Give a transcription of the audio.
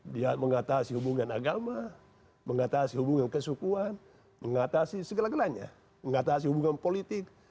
dia mengatasi hubungan agama mengatasi hubungan kesukuan mengatasi segala galanya mengatasi hubungan politik